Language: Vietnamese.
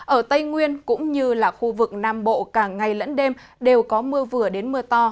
ở tây nguyên cũng như là khu vực nam bộ cả ngày lẫn đêm đều có mưa vừa đến mưa to